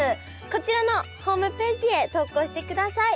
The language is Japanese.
こちらのホームページへ投稿してください。